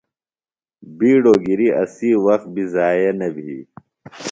بِیڈوۡ گِری اسی وخت بی ضائع نہ بھی۔